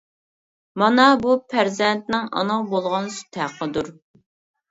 مانا بۇ پەرزەنتنىڭ ئانىغا بولغان سۈت ھەققىدۇر.